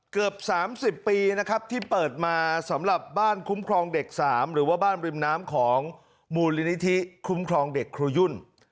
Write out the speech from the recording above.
เกือบ๓๐ปีนะครับที่เปิดมาสำหรับบ้านคุ้มครองเด็ก๓หรือว่าบ้านริมน้ำของมูลนิธิคุ้มครองเด็กครูยุ่น